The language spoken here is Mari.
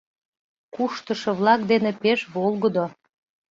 Куштышо-влак дене пеш волгыдо.